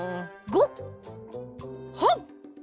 はっ！